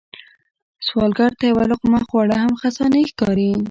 سوالګر ته یو لقمه خواړه هم خزانې ښکاري